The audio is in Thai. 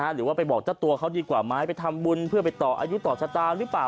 หรือว่าไปบอกเจ้าตัวเขาดีกว่าไหมไปทำบุญเพื่อไปต่ออายุต่อชะตาหรือเปล่า